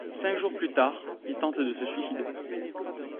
Cinq jours plus tard, il tente de se suicider.